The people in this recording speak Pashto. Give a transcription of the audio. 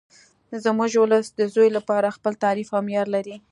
زموږ ولس د زوی لپاره خپل تعریف او معیار لري